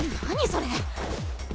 それ！